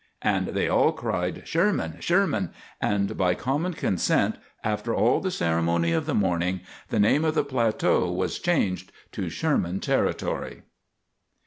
And they all cried "Sherman! Sherman!" and by common consent, after all the ceremony of the morning, the name of the plateau was changed to SHERMAN TERRITORY.